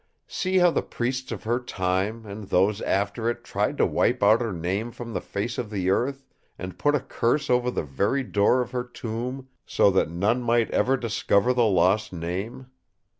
See how the priests of her time, and those after it tried to wipe out her name from the face of the earth, and put a curse over the very door of her tomb so that none might ever discover the lost name.